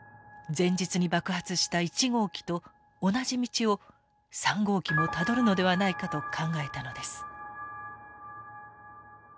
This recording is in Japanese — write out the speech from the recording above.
前日に爆発した１号機と同じ道を３号機もたどるのではないかと考えたのです。